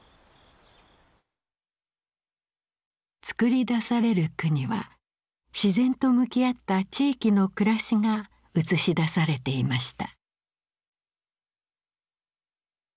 作り出される句には自然と向き合った地域の暮らしが映し出されていました。